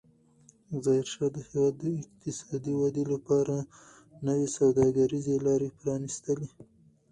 ظاهرشاه د هېواد د اقتصادي ودې لپاره نوې سوداګریزې لارې پرانستلې.